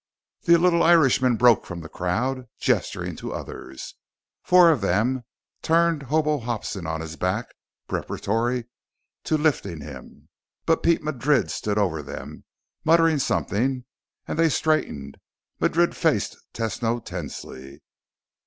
The little Irishman broke from the crowd, gesturing to others. Four of them turned Hobo Hobson on his back preparatory to lifting him. But Pete Madrid stood over them, muttering something, and they straightened. Madrid faced Tesno tensely.